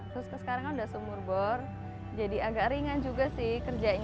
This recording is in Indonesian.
terus sekarang kan udah sumur bor jadi agak ringan juga sih kerjanya